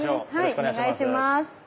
お願いします。